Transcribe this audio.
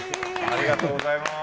ありがとうございます。